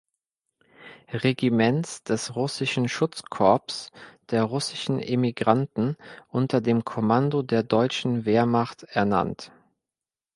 Regiments des Russischen Schutzkorps der russischen Emigranten unter dem Kommando der deutschen Wehrmacht ernannt.